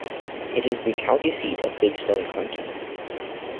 It is the county seat of Big Stone County.